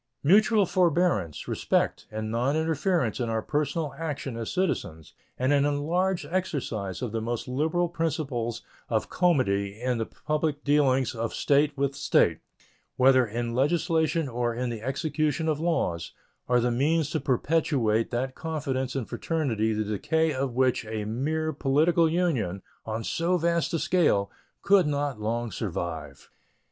Mutual forbearance, respect, and noninterference in our personal action as citizens and an enlarged exercise of the most liberal principles of comity in the public dealings of State with State, whether in legislation or in the execution of laws, are the means to perpetuate that confidence and fraternity the decay of which a mere political union, on so vast a scale, could not long survive.